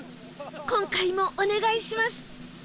今回もお願いします！